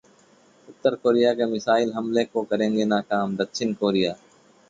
उत्तर Korea के missile हमले को करेंगे नाकाम: दक्षिण कोरिया